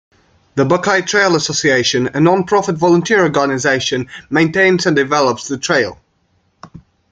The Buckeye Trail Association, a non-profit volunteer organization, maintains and develops the trail.